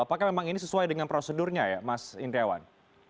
apakah memang ini sesuai dengan prosedurnya ya mas indriawan